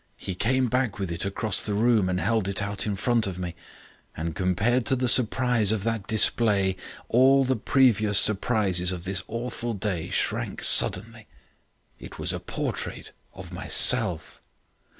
He came back with it across the room and held it out in front of me. And compared to the surprise of that display, all the previous surprises of this awful day shrank suddenly. "It was a portrait of myself.